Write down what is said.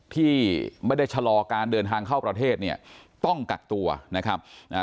ที่ไม่ได้ชะลอการเดินทางเข้าประเทศเนี่ยต้องกักตัวนะครับอ่า